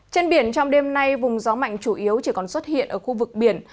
trên biển trong đêm nay vùng gió mạnh chủ yếu chỉ còn xuất hiện ở khu vực biển